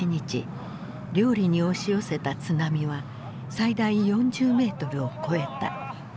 綾里に押し寄せた津波は最大４０メートルを超えた。